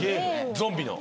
ゾンビの。